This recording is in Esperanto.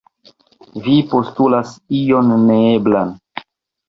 Vi postulas ion neeblan.